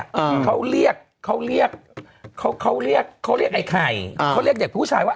อ่าเขาเรียกเขาเรียกเขาเขาเรียกเขาเรียกไอ้ไข่อ่าเขาเรียกเด็กผู้ชายว่า